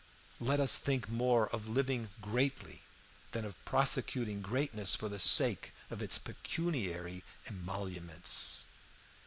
Let us think more of living greatly than of prosecuting greatness for the sake of its pecuniary emoluments.